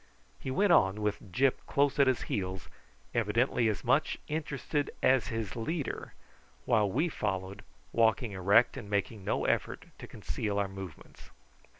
He went on, with Gyp close at his heels, evidently as much interested as his leader, while we followed, walking erect and making no effort to conceal our movements.